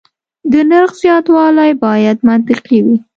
د نرخ زیاتوالی باید منطقي وي.